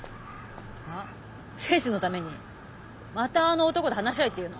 あ？征二のためにまたあの男と話し合えっていうの？